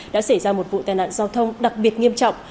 đã xảy ra một vụ tai nạn giao thông đặc biệt nghiêm trọng